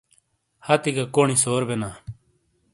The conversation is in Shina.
ہاتی گہ کونی سور بیناں۔